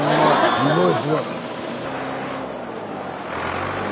すごいすごい。